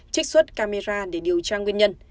chích xuất camera để điều tra nguyên nhân